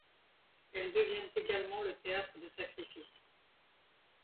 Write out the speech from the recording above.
Elles deviennent également le théâtre de sacrifices.